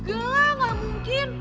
enggak lah gak mungkin